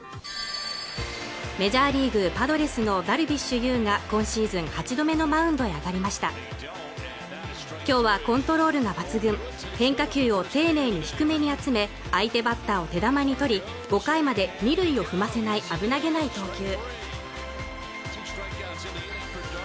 メジャーリーグパドレスのダルビッシュ有が今シーズン８度目のマウンドへ上がりました今日はコントロールが抜群変化球を丁寧に低めに集め相手バッターを手玉に取り５回まで２塁を踏ませない危なげない投球